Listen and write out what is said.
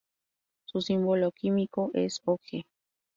Su símbolo químico es Og.